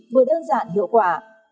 vừa đơn giản hiệu quả